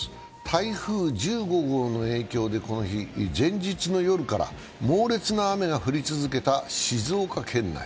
台風１５号の影響でこの日前日の夜から猛烈な雨が降り続けた静岡県内。